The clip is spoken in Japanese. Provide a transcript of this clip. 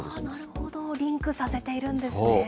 なるほど、リンクさせているんですね。